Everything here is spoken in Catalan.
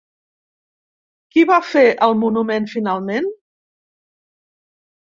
Qui va fer el monument finalment?